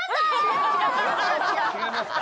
違いますか？